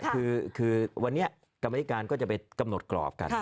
คือวันนี้กรรมธิการก็จะไปกำหนดกรอบกัน